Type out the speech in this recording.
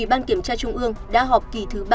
ủy ban kiểm tra trung ương đã họp kỳ thứ ba mươi tám